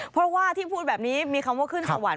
เพราะว่าที่พูดแบบนี้มีคำว่าขึ้นสวรรค